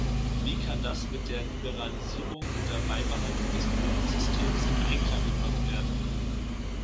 Wie kann das mit der Liberalisierung oder Beibehaltung des Quotensystems in Einklang gebracht werden?